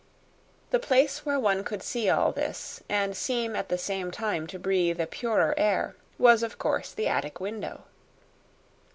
The place where one could see all this, and seem at the same time to breathe a purer air, was, of course, the attic window.